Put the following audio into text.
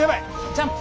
ジャンプ！